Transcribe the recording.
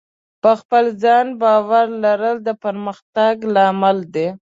په خپل ځان باور لرل د پرمختګ لامل دی.